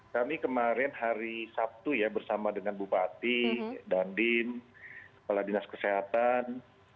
kami kemarin hari sabtu ya bersama dengan bupati dandim kepala dinas kesehatan